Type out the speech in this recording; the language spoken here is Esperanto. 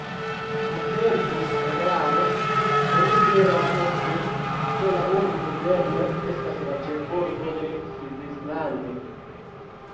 Atentu erare oni diras ofte, ke la urbo Berno estas la ĉefurbo de Svislando.